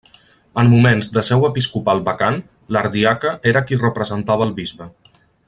En moments de seu episcopal vacant, l'ardiaca era qui representava el bisbe.